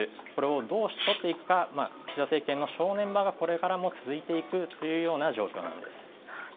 これを、どうとっていくか岸田政権の正念場がこれからも続いていくという状況なんです。